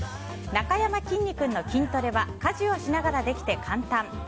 なかやまきんに君の筋トレは家事をしながらできて簡単。